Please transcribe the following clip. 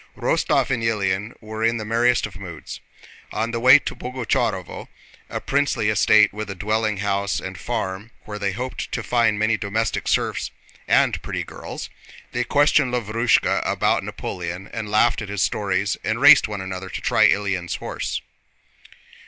Rostóv and Ilyín were in the merriest of moods. On the way to Boguchárovo, a princely estate with a dwelling house and farm where they hoped to find many domestic serfs and pretty girls, they questioned Lavrúshka about Napoleon and laughed at his stories, and raced one another to try Ilyín's horse.